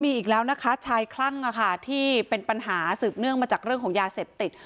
มีอีกแล้วนะคะชายคลั่งที่เป็นปัญหาสืบเนื่องมาจากเรื่องของยาเสพติด